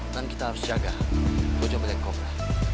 dan kita harus jaga tujuan black cobra